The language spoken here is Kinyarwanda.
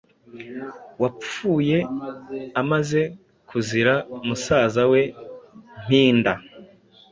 wapfuye amaze kuziha musaza we Mpinda.